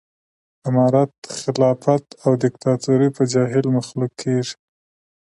امارت خلافت او ديکتاتوري به جاهل مخلوق کېږي